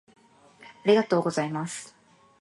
ありがとうございます。